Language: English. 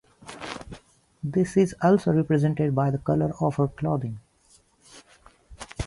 This is also represented by the color of her clothing.